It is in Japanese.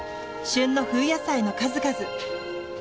旬の冬野菜の数々。